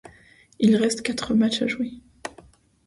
Il reste quatre matches à jouer.